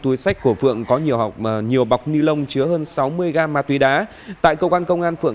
túi sách của phượng có nhiều học nhiều bọc nilon chứa hơn sáu mươi g ma túy đá tại cơ quan công an phượng